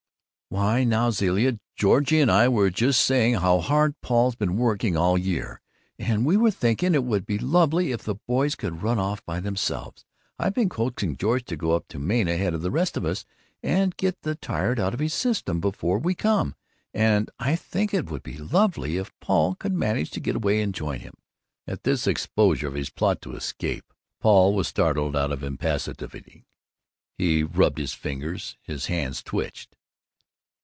"Why, now, Zilla, Georgie and I were just saying how hard Paul's been working all year, and we were thinking it would be lovely if the Boys could run off by themselves. I've been coaxing George to go up to Maine ahead of the rest of us, and get the tired out of his system before we come, and I think it would be lovely if Paul could manage to get away and join him." At this exposure of his plot to escape, Paul was startled out of impassivity. He rubbed his fingers. His hands twitched.